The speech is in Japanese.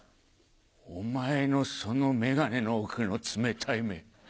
お前のその眼鏡の奥の冷たい目